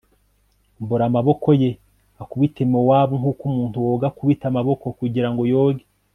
mbura amaboko ye akubite Mowabu nk uko umuntu woga akubita amaboko kugira ngo yoge